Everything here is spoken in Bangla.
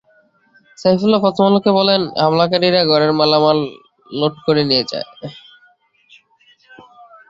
সাইফুল্লা প্রথম আলোকে বলেন, হামলাকারীরা ঘরের মালামাল লুট করে নিয়ে যায়।